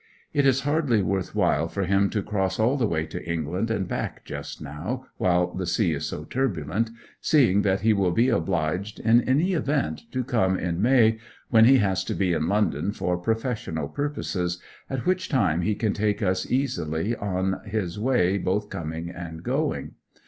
It is hardly worth while for him to cross all the way to England and back just now, while the sea is so turbulent, seeing that he will be obliged, in any event, to come in May, when he has to be in London for professional purposes, at which time he can take us easily on his way both coming and going.